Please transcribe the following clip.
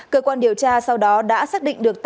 cơ quan điều tra sau đó đã xác định được